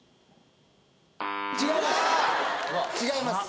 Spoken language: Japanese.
違います